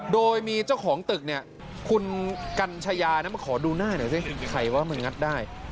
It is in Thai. โดยมีเจ้าของตึกคุณกัญชยานี่มันขอดูหน้านี่สิใครว่ามันงัดได้